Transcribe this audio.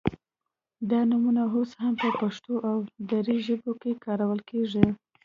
دا نومونه اوس هم په پښتو او دري ژبو کې کارول کیږي